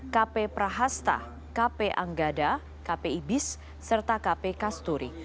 kp prahasta kp anggada kp ibis serta kp kasturi